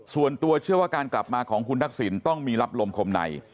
ส่วนตัวเชื่อว่าการกลับมาของคุณทักษิณต้องมีรับลมคมใน